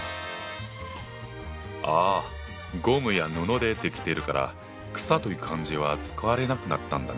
ああゴムや布で出来ているから「草」という漢字は使われなくなったんだね。